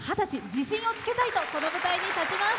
自信をつけたいとこの舞台に立ちます。